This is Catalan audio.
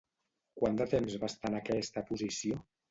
Quant de temps va estar en aquesta posició?